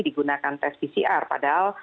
digunakan tes pcr padahal